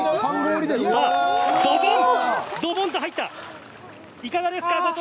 ドボンと入った、いかがですか。